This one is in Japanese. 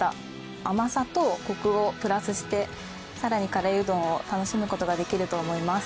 甘さとコクをプラスしてさらにカレーうどんを楽しむ事ができると思います。